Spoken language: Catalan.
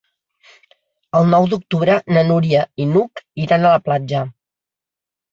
El nou d'octubre na Núria i n'Hug iran a la platja.